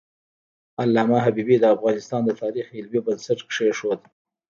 علامه حبیبي د افغانستان د تاریخ علمي بنسټ کېښود.